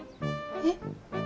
えっ？